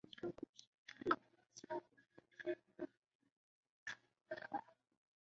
抗日战争胜利后撤销。